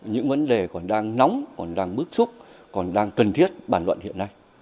gợi mở những vấn đề còn đang nóng còn đang bức xúc còn đang cần thiết bàn luận hiện nay